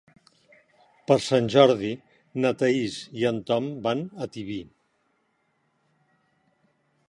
Per Sant Jordi na Thaís i en Tom van a Tibi.